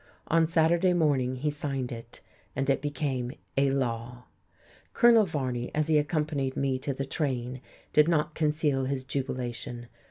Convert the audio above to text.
On Saturday morning he signed it, and it became a law.... Colonel Varney, as he accompanied me to the train, did not conceal his jubilation.